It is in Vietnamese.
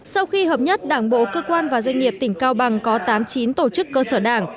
sau khi hợp nhất đảng bộ cơ quan và doanh nghiệp tỉnh cao bằng có tám mươi chín tổ chức cơ sở đảng